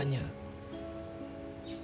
dengan ingatan dan doa kamu